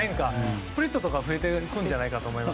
スプリットとか増えてくるんじゃないかと思います。